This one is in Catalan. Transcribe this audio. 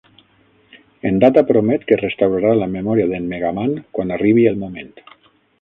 En Data promet que restaurarà la memòria d'en Mega Man quan arribi el moment.